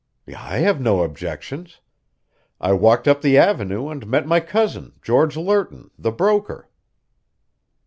"I have no objections. I walked up the Avenue, and met my cousin, George Lerton, the broker."